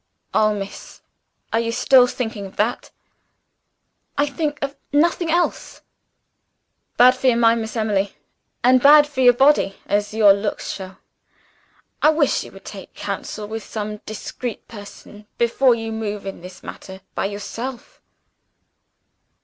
"Oh, miss, are you still thinking of that!" "I think of nothing else." "Bad for your mind, Miss Emily and bad for your body, as your looks show. I wish you would take counsel with some discreet person, before you move in this matter by yourself."